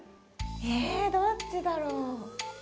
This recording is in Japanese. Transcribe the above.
えどっちだろう？